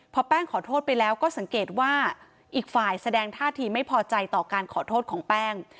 พอแป้งขอโทษไปแล้วก็สังเกตว่าอีกฝ่ายแสดงท่าทีไม่พอใจต่อการขอโทษของแป้ง